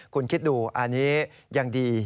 คุณคิดดูอันนี้ยังดี